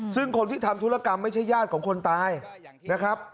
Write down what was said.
ซึ่งคนที่ทำธุรกรรมไม่ใช่ญาติของคนตายนะครับ